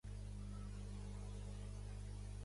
Isaac Cuenca López és un futbolista nascut a Reus.